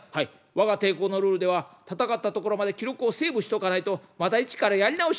我が帝国のルールでは戦ったところまで記録をセーブしとかないとまた一からやり直しになります」。